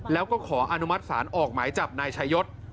แล้วก็ขออนุมัติศาลออกหมายจับนายชายศ